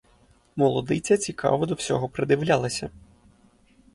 Молодиця цікаво до всього придивлялася.